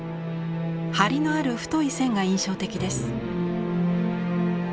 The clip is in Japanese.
張りのある太い線が印象的です。